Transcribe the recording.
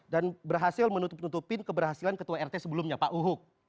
dan berhasil menutup nutupin keberhasilan ketua rt sebelumnya pak uhuk